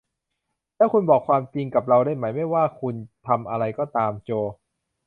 แล้วคุณบอกความจริงกับเราได้ไหม ไม่ว่าคุณทำอะไรก็ตาม โจ